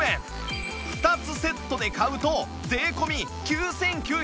２つセットで買うと税込９９８０円